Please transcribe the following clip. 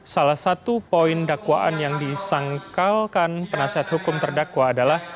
salah satu poin dakwaan yang disangkalkan penasihat hukum terdakwa adalah